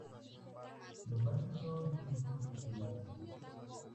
Los baches son surcos afilados.